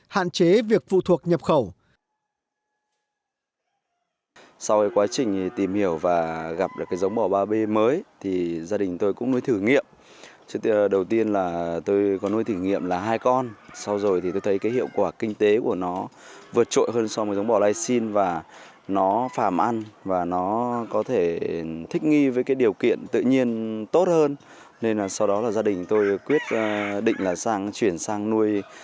hạn chế việc phụ thuộc nhập khẩu